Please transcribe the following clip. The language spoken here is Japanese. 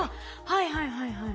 はいはいはいはい。